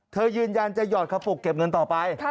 ยืนยันจะหยอดกระปุกเก็บเงินต่อไป